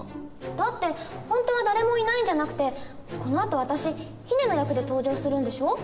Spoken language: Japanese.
だって本当は誰もいないんじゃなくてこのあと私ヒネの役で登場するんでしょう？